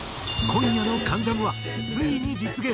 今夜の『関ジャム』はついに実現！